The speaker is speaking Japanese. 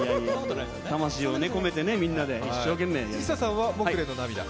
魂を込めてみんなで一生懸命。